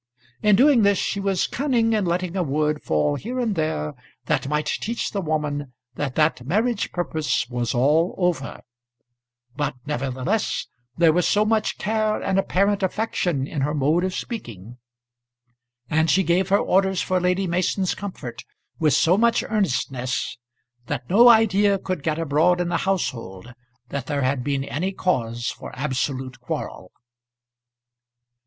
In doing this she was cunning in letting a word fall here and there, that might teach the woman that that marriage purpose was all over; but nevertheless there was so much care and apparent affection in her mode of speaking, and she gave her orders for Lady Mason's comfort with so much earnestness, that no idea could get abroad in the household that there had been any cause for absolute quarrel.